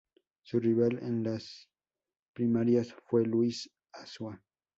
Su rival en las primarias fue Luis Asúa.